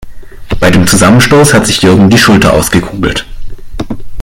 Bei dem Zusammenstoß hat sich Jürgen die Schulter ausgekugelt.